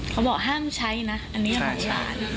เขาบอกห้ามใช้นะอันนี้ของหลาน